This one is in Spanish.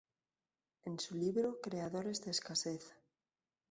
En su libro "Creadores de escasez.